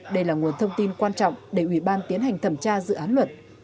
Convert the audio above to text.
đây là nguồn thông tin quan trọng để ủy ban tiến hành thẩm tra dự án luật